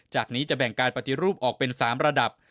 จากนี้จะแบ่งการปฏิรูปออกเป็น๓ระดับ